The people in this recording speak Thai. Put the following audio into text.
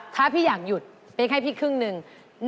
ถ้าพี่อยากหยุดเป๊กให้พี่ครึ่งหนึ่ง